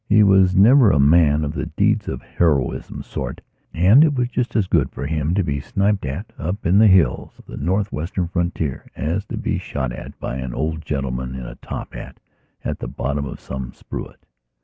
He was never a man of the deeds of heroism sort and it was just as good for him to be sniped at up in the hills of the North Western frontier, as to be shot at by an old gentleman in a tophat at the bottom of some spruit.